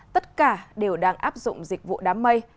tất cả đều đang áp dụng dịch vụ đám mây